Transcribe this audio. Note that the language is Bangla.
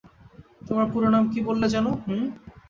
তোমার পুরো নাম কী বললে যেন, হুম?